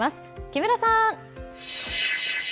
木村さん。